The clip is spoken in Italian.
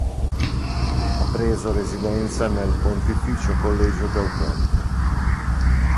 Ha preso residenza nel Pontificio Collegio Teutonico.